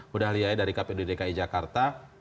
bu dahlia dari kpu dki jakarta